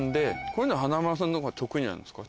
こういうの華丸さんのほうが得意じゃないですか？